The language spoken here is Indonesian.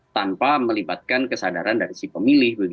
tanpa melibatkan kesadaran dari si pemilih